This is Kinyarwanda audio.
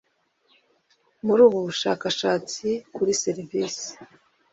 muri ubu bushakashatsi kuri serivisi